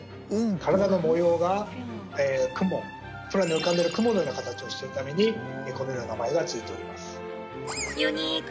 体の模様が雲空に浮かんでいる雲のような形をしているためにこのような名前が付いております。